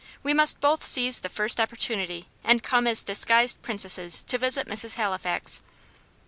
We must both seize the first opportunity, and come as disguised princesses to visit Mrs. Halifax."